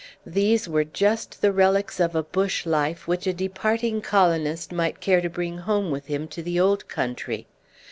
These were just the relics of a bush life which a departing colonist might care to bring home with him to the old country.